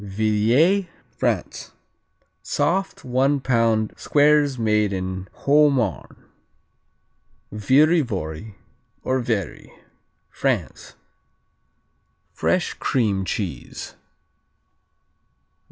Villiers France Soft, one pound squares made in Haute Marne. Viry vory, or Vary France Fresh cream cheese.